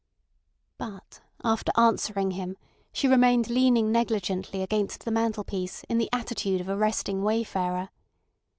But after answering him she remained leaning negligently against the mantelpiece in the attitude of a resting wayfarer.